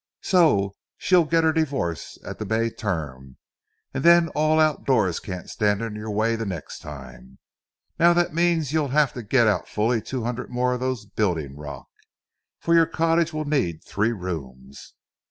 So she'll get her divorce at the May term, and then all outdoors can't stand in your way the next time. Now, that means that you'll have to get out fully two hundred more of those building rock, for your cottage will need three rooms.